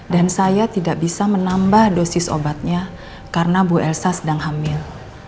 dan saya tidak bisa menambah dosis obatnya karena bu elsa sedang hamil